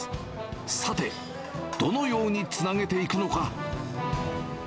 さて、どのようにつなげていくのか。